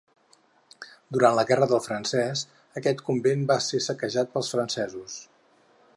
Durant la Guerra del Francès, aquest convent va ser saquejat pels francesos.